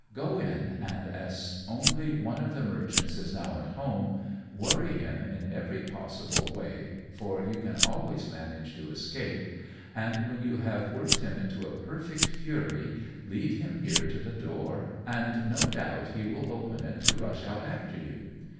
Go in, and, as only one of the merchants is now at home, worry him in every possible way, for you can always manage to escape; and when you have worked him into a perfect fury lead him here to the door, and no doubt he will open it to rush out after you.